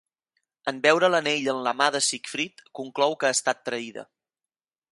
En veure l'anell en la mà de Sigfrid, conclou que ha estat traïda.